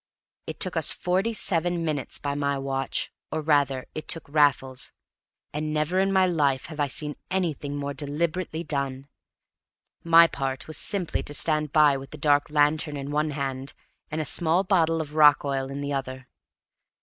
It took us forty seven minutes by my watch; or, rather, it took Raffles; and never in my life have I seen anything more deliberately done. My part was simply to stand by with the dark lantern in one hand, and a small bottle of rock oil in the other.